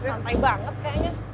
santai banget kayaknya